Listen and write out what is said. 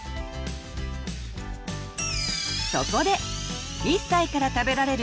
そこで「１歳から食べられる！